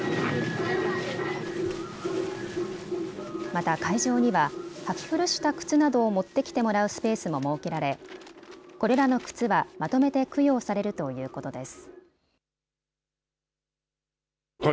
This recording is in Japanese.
また、会場には履き古した靴などを持ってきてもらうスペースも設けられ、これらの靴はまとめて供養されるということです。